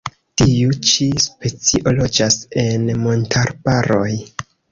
Tiu ĉi specio loĝas en montarbaroj.